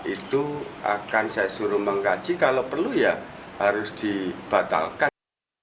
itu akan saya suruh mengkaji kalau perlu ya harus dibatalkan